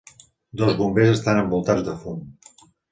Dos bombers estan envoltats de fum.